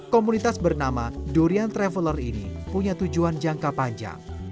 komunitas bernama durian traveler ini punya tujuan jangka panjang